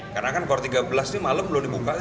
karena kan koridor tiga belas malam belum dibuka